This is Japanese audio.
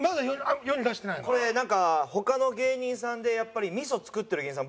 これなんか他の芸人さんでやっぱり味噌作ってる芸人さん